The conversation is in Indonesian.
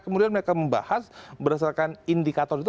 kemudian mereka membahas berdasarkan indikator itu